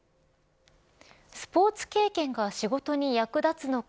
スポーツ経験が仕事に役立つのか